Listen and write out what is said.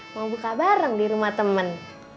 mau buka bareng di rumah teman